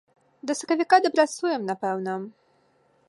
Да сакавіка дапрацуем, напэўна.